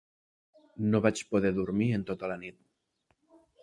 No vaig poder dormir en tota la nit.